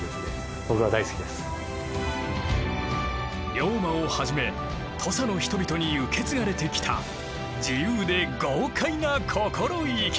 龍馬をはじめ土佐の人々に受け継がれてきた自由で豪快な心意気。